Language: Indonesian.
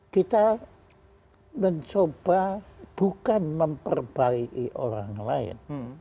kita mencoba bukan memperbaiki orang lain